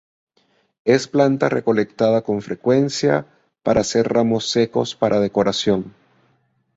Es planta recolectada con frecuencia para hacer ramos secos para decoración.